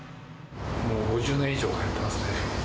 もう５０年以上通ってますね。